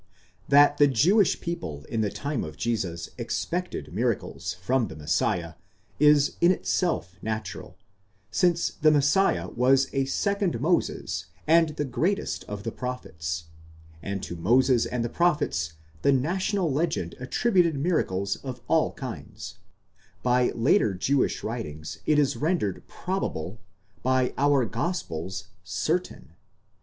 Tuat the Jewish people in the time of Jesus expected miracles from the Messiah is in itself natural, since the Messiah was a second Moses and the greatest of the prophets, and to Moses and the prophets the national legend attributed miracles of all kinds: by later Jewish writings it is rendered probable ;1 by our gospels, certain.